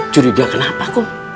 curiga kenapa kum